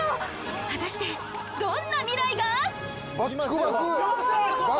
果たしてどんな未来が？